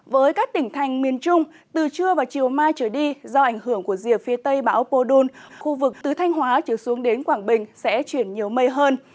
với các tỉnh thành miền trung từ trưa và chiều mai trở đi do ảnh hưởng của diệt phía tây bão pô đôn khu vực tứ thanh hóa trở xuống đến quảng bình sẽ chuyển nhiều mây hơn